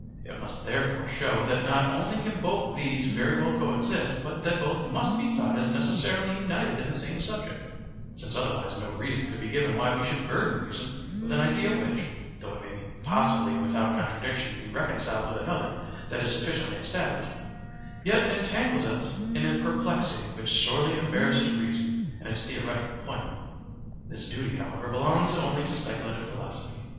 It must therefore show that not only can both these very well co exist, but that both must be thought as necessarily united in the same subject, since otherwise no reason could be given why we should burden reason with an idea which, though it may possibly without contradiction be reconciled with another that is sufficiently established, yet entangles us in a perplexity which sorely embarrasses reason in its theoretic employment. This duty, however, belongs only to speculative philosophy.